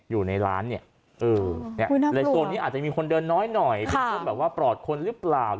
อยู่ในร้านเนี่ยในโซนนี้อาจจะมีคนเดินน้อยหน่อยเป็นคนแบบว่าปลอดคนหรือเปล่า